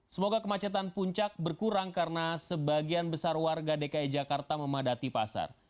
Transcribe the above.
semoga kemacetan puncak berkurang karena sebagian besar warga dki jakarta memadati pasar